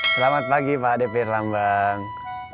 selamat pagi pak dpr lambang